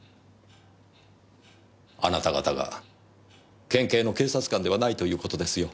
あなた方が県警の警察官ではないということですよ。